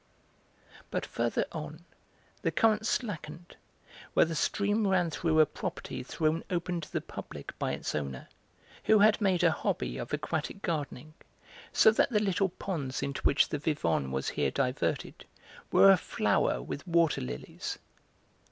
But farther on the current slackened, where the stream ran through a property thrown open to the public by its owner, who had made a hobby of aquatic gardening, so that the little ponds into which the Vivonne was here diverted were aflower with water lilies.